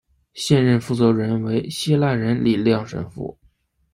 现任负责人为希腊人李亮神父。